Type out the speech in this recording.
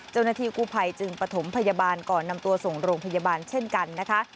เจ้าหน้าที่กู้ภัยจึงประถมพยาบาลก่อนนำตัวส่งโรงพยาบาลเช่นกันนะคะ